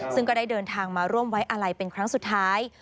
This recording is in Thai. ซึ่งก็ได้เดินทางมาร่วมไว้อาลัยเป็นครั้งสุดท้าย